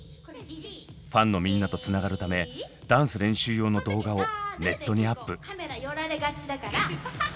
ファンのみんなとつながるためダンス練習用の動画をネットにアップ。